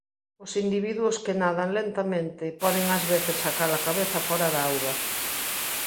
Os individuos que nadan lentamente poden ás veces sacar a cabeza fóra da auga.